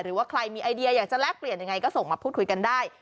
หรือว่าใครมีไอเดียอยากจะแลกเปลี่ยนยังไงก็ส่งมาพูดคุยกันได้